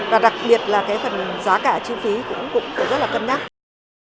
và đặc biệt là cái phần giá cả chi phí cũng phải rất là cân nhắc